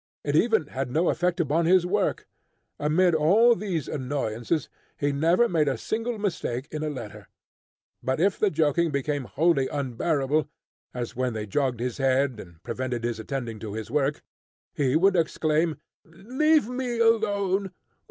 It even had no effect upon his work. Amid all these annoyances he never made a single mistake in a letter. But if the joking became wholly unbearable, as when they jogged his head, and prevented his attending to his work, he would exclaim: "Leave me alone!